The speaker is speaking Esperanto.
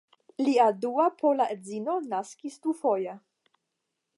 Lia dua pola edzino naskis dufoje.